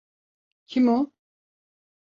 Kim o?